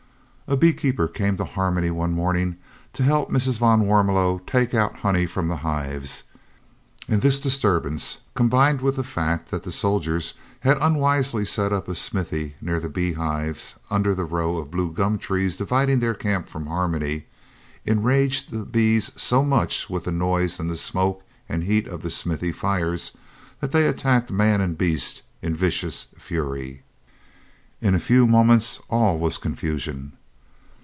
A bee keeper came to Harmony one morning to help Mrs. van Warmelo to take out honey from the hives, and this disturbance, combined with the fact that the soldiers had unwisely set up a smithy near the beehives under the row of blue gum trees dividing their camp from Harmony, enraged the bees so much with the noise and the smoke and heat of the smithy fires, that they attacked man and beast in vicious fury. [Illustration: THE APIARY, HARMONY.] In a few moments all was confusion.